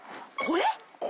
これ？